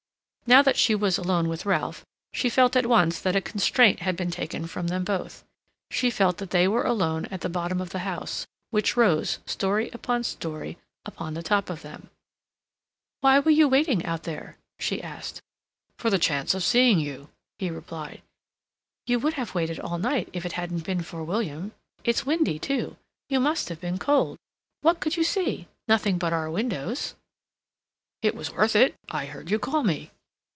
Now that she was alone with Ralph she felt at once that a constraint had been taken from them both. She felt that they were alone at the bottom of the house, which rose, story upon story, upon the top of them. "Why were you waiting out there?" she asked. "For the chance of seeing you," he replied. "You would have waited all night if it hadn't been for William. It's windy too. You must have been cold. What could you see? Nothing but our windows." "It was worth it. I heard you call me."